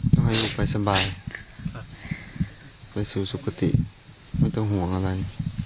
ต้องให้ลูกไปสบายไปสู่สุขติไม่ต้องห่วงอะไร